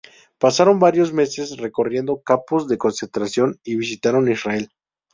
Pasaron varios meses recorriendo campos de concentración y visitaron Israel.